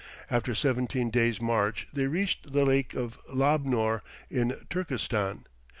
After seventeen days' march they reached the Lake of Lobnor in Turkestan.